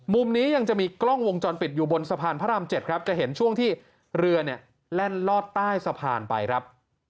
มุมนี้ยังจะมีกล้องวงจรปิดอยู่บนสะพานพระราม๗ครับจะเห็นช่วงที่เรือเนี่ยแล่นลอดใต้สะพานไปครับ